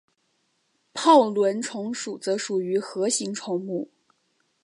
泡轮虫属则属于核形虫目。